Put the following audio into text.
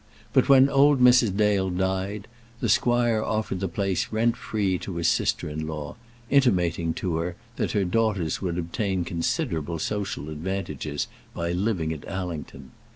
But when old Mrs. Dale died, the squire offered the place rent free to his sister in law, intimating to her that her daughters would obtain considerable social advantages by living at Allington.